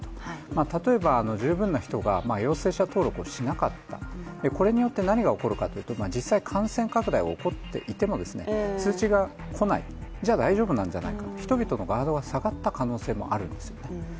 例えば、十分な人が陽性者登録をしなかった、これによって何が起こるかというと実際、感染拡大が起こっていても通知が来ない、じゃあ大丈夫なんじゃないかと人々のガードが下がった可能性があるんです。